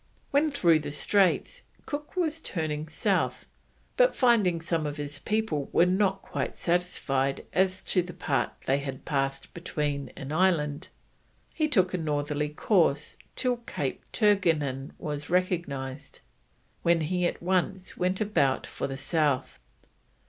When through the straits Cook was turning south, but finding some of his people were not quite satisfied as to the part they had passed being an island, he took a northerly course till Cape Turnagain was recognised, when he at once went about for the south.